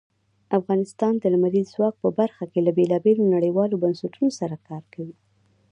افغانستان د لمریز ځواک په برخه کې له بېلابېلو نړیوالو بنسټونو سره کار کوي.